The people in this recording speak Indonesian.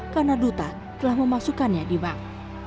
karena duta telah memasukkannya di bank